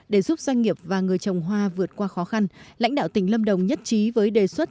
để giúp doanh nghiệp và người trồng hoa vượt qua khó khăn lãnh đạo tỉnh lâm đồng nhất trí với đề xuất